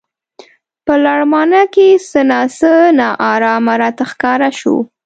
په لړمانه کې څه نا څه نا ارامه راته ښکاره شو.